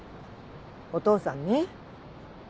お父さんね